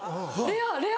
レア！